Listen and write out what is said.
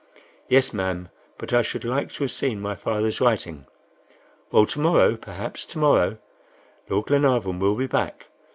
"Yes, ma'am, but I should like to have seen my father's writing." "Well, to morrow, perhaps, to morrow, Lord Glenarvan will be back.